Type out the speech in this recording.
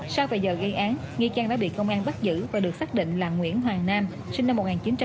sau vài giờ gây án nghi trang đã bị công an bắt giữ và được xác định là nguyễn hoàng nam sinh năm một nghìn chín trăm tám mươi